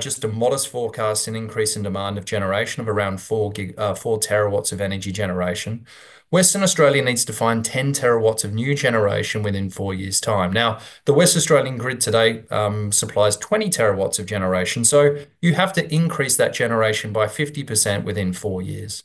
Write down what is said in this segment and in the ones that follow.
Just a modest forecast, an increase in demand of generation of around 4 TW of energy generation. Western Australia needs to find 10 TW of new generation within four years' time. Now, the West Australian grid today supplies 20 TW of generation, so you have to increase that generation by 50% within four years.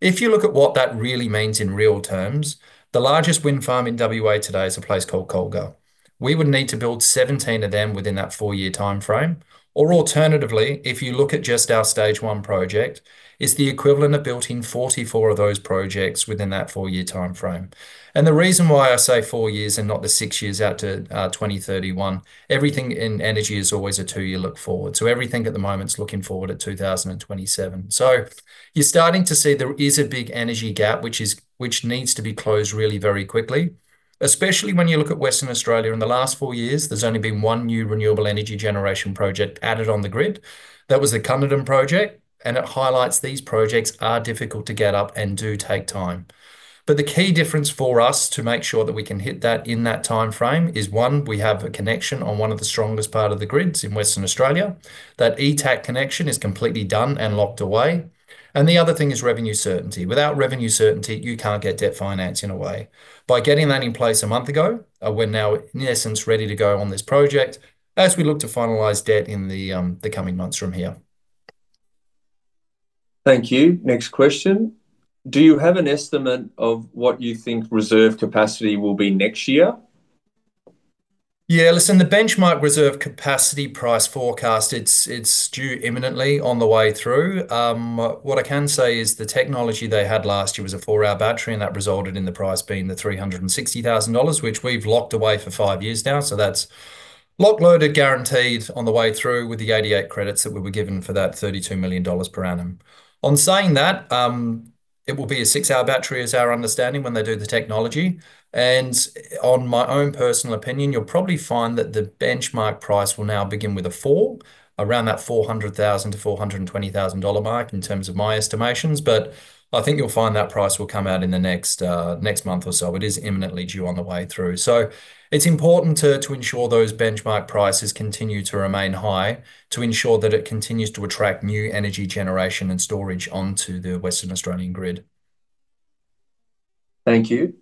If you look at what that really means in real terms, the largest wind farm in WA today is a place called Collgar. We would need to build 17 of them within that four-year timeframe. Or alternatively, if you look at just our stage one project, it's the equivalent of building 44 of those projects within that four-year timeframe, and the reason why I say four years and not the six years out to 2031, everything in energy is always a 2-year look forward. So everything at the moment's looking forward at 2027. So you're starting to see there is a big energy gap, which needs to be closed really very quickly. Especially when you look at Western Australia, in the last four years, there's only been one new renewable energy generation project added on the grid. That was the Cunderdin Project, and it highlights these projects are difficult to get up and do take time. But the key difference for us to make sure that we can hit that in that timeframe is, one, we have a connection on one of the strongest parts of the grids in Western Australia. That ETAC connection is completely done and locked away. And the other thing is revenue certainty. Without revenue certainty, you can't get debt financing away. By getting that in place a month ago, we're now, in essence, ready to go on this project as we look to finalize debt in the coming months from here. Thank you. Next question. Do you have an estimate of what you think reserve capacity will be next year? Yeah, listen, the Benchmark Reserve Capacity Price forecast. It's due imminently on the way through. What I can say is the technology they had last year was a four-hour battery, and that resulted in the price being 360,000 dollars, which we've locked away for five years now. So that's locked, loaded, guaranteed on the way through with the 88 credits that we were given for that 32 million dollars/annum. On saying that, it will be a six-hour battery, is our understanding, when they do the technology. And on my own personal opinion, you'll probably find that the benchmark price will now begin with a four, around that 400,000-420,000 dollar mark in terms of my estimations. But I think you'll find that price will come out in the next month or so. It is imminently due on the way through. So it's important to ensure those benchmark prices continue to remain high to ensure that it continues to attract new energy generation and storage onto the Western Australian grid. Thank you.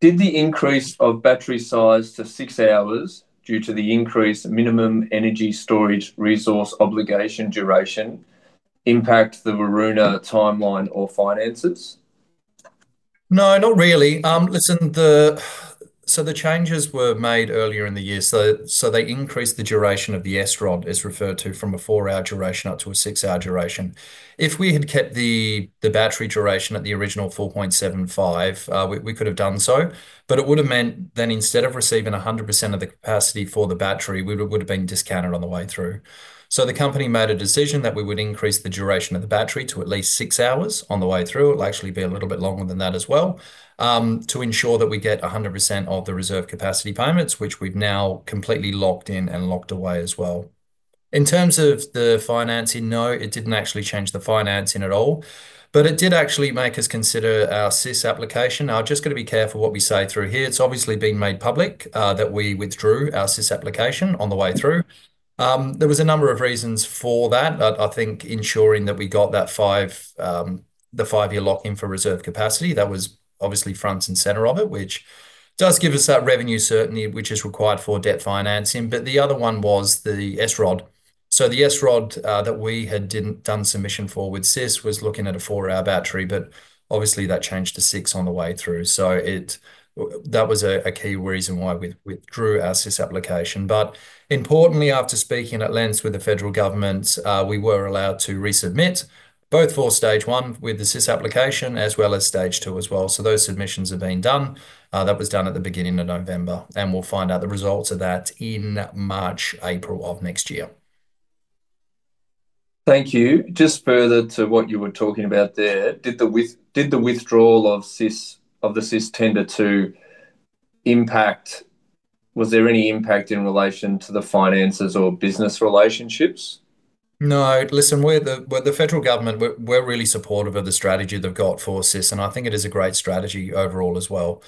Did the increase of battery size to six hours due to the increased minimum energy storage resource obligation duration impact the Waroona timeline or finances? No, not really. Listen, the changes were made earlier in the year, so they increased the duration of the ESROD as referred to from a four-hour duration up to a six-hour duration. If we had kept the battery duration at the original four point seven five, we could have done so, but it would have meant then instead of receiving 100% of the capacity for the battery, we would have been discounted on the way through. So the company made a decision that we would increase the duration of the battery to at least six hours on the way through. It'll actually be a little bit longer than that as well, to ensure that we get 100% of the reserve capacity payments, which we've now completely locked in and locked away as well. In terms of the financing, no, it didn't actually change the financing at all, but it did actually make us consider our CIS application. Now, I'm just gonna be careful what we say through here. It's obviously been made public, that we withdrew our CIS application on the way through. There was a number of reasons for that. I think ensuring that we got that five, the five-year lock-in for reserve capacity, that was obviously front and center of it, which does give us that revenue certainty which is required for debt financing, but the other one was the ESROD, so the ESROD, that we had done submission for with CIS was looking at a four-hour battery, but obviously that changed to six on the way through, so it, that was a key reason why we withdrew our CIS application. But importantly, after speaking at length with the federal government, we were allowed to resubmit both for stage one with the CIS application as well as stage two as well. So those submissions have been done. That was done at the beginning of November, and we'll find out the results of that in March, April of next year. Thank you. Just further to what you were talking about there, did the withdrawal of the CIS tender too impact, was there any impact in relation to the finances or business relationships? No. Listen, we're the federal government. We're really supportive of the strategy they've got for CIS, and I think it is a great strategy overall as well.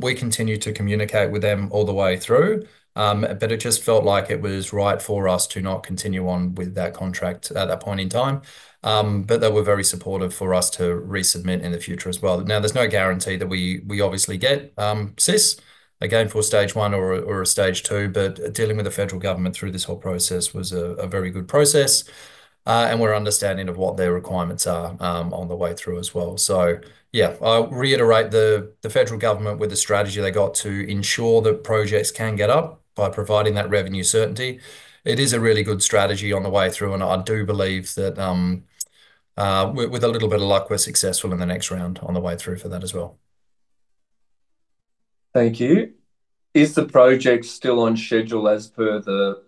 We continue to communicate with them all the way through, but it just felt like it was right for us to not continue on with that contract at that point in time, but they were very supportive for us to resubmit in the future as well. Now, there's no guarantee that we obviously get CIS again for stage one or a stage two, but dealing with the federal government through this whole process was a very good process, and we're understanding of what their requirements are on the way through as well, so yeah, I'll reiterate the federal government with the strategy they got to ensure that projects can get up by providing that revenue certainty. It is a really good strategy on the way through, and I do believe that, with a little bit of luck, we're successful in the next round on the way through for that as well. Thank you. Is the project still on schedule as per the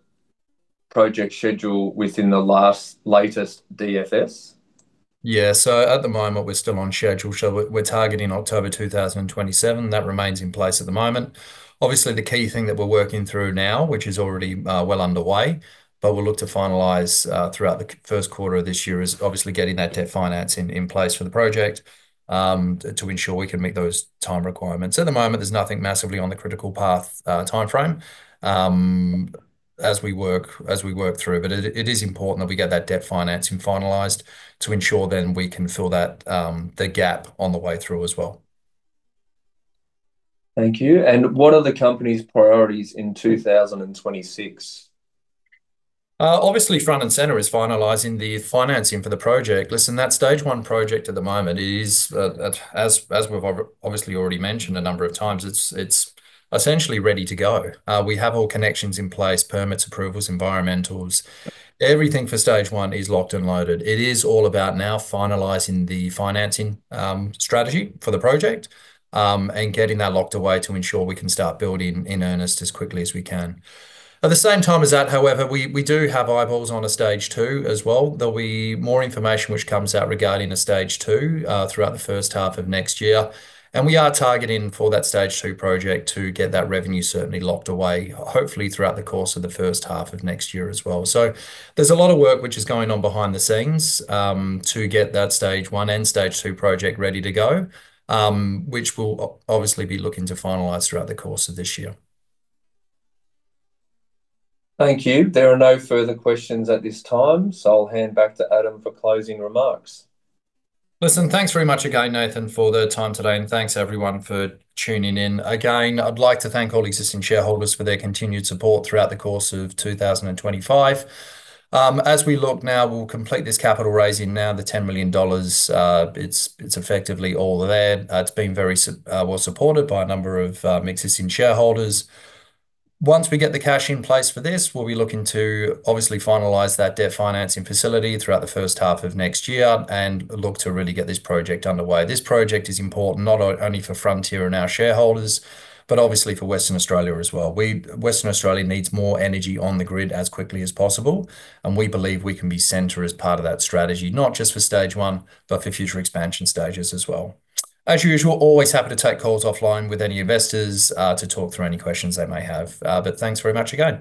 project schedule within the latest DFS? Yeah, so at the moment we're still on schedule. So we're targeting October two thousand and twenty-seven. That remains in place at the moment. Obviously, the key thing that we're working through now, which is already well underway, but we'll look to finalize throughout the first quarter of this year is obviously getting that debt financing in place for the project, to ensure we can meet those time requirements. At the moment, there's nothing massively on the critical path timeframe as we work through, but it is important that we get that debt financing finalized to ensure then we can fill that gap on the way through as well. Thank you. And what are the company's priorities in 2026? Obviously, front and center is finalizing the financing for the project. Listen, that stage one project at the moment is, as we've obviously already mentioned a number of times, it's essentially ready to go. We have all connections in place, permits, approvals, environmentals, everything for stage one is locked and loaded. It is all about now finalizing the financing, strategy for the project, and getting that locked away to ensure we can start building in earnest as quickly as we can. At the same time as that, however, we do have eyeballs on a stage two as well. There'll be more information which comes out regarding a stage two, throughout the first half of next year, and we are targeting for that stage two project to get that revenue certainty locked away, hopefully throughout the course of the first half of next year as well. So there's a lot of work which is going on behind the scenes, to get that stage one and stage two project ready to go, which we'll obviously be looking to finalize throughout the course of this year. Thank you. There are no further questions at this time, so I'll hand back to Adam for closing remarks. Listen, thanks very much again, Nathan, for the time today, and thanks everyone for tuning in. Again, I'd like to thank all existing shareholders for their continued support throughout the course of 2025. As we look now, we'll complete this capital raising now, the 10 million dollars. It's, it's effectively all there. It's been very, well supported by a number of, existing shareholders. Once we get the cash in place for this, we'll be looking to obviously finalize that debt financing facility throughout the first half of next year and look to really get this project underway. This project is important not only for Frontier and our shareholders, but obviously for Western Australia as well. Western Australia needs more energy on the grid as quickly as possible, and we believe we can be central as part of that strategy, not just for stage one, but for future expansion stages as well. As usual, always happy to take calls offline with any investors, to talk through any questions they may have. But thanks very much again.